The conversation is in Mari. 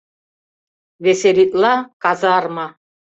Веселитла казарма!